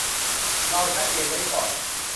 เราชัดเจนไว้ก่อน